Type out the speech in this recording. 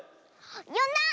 よんだ？